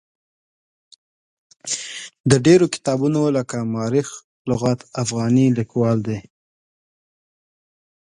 د ډېرو کتابونو لکه ما رخ لغات افغاني لیکوال دی.